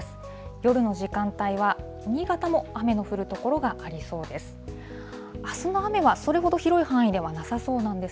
夜の時間帯は、新潟も雨の降る所がありそうです。